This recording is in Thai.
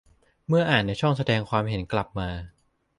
เมื่ออ่านในช่องแสดงความเห็นกลับมา